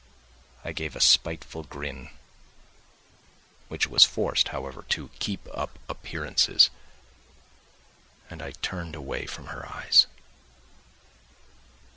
I gave a spiteful grin, which was forced, however, to keep up appearances, and I turned away from her eyes.